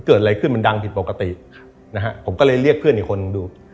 เกิดอะไรขึ้นมันดังผิดปกตินะฮะผมก็เลยเรียกเพื่อนอีกคนดู